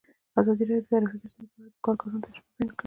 ازادي راډیو د ټرافیکي ستونزې په اړه د کارګرانو تجربې بیان کړي.